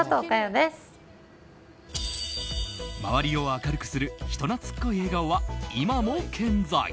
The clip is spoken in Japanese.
周りを明るくする人懐こい笑顔は今も健在。